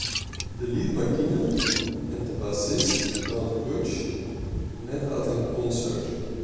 The lead, Martina, and the bassist, Dan Kurtz, met at a concert.